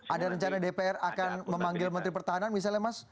ada rencana dpr akan memanggil menteri pertahanan misalnya mas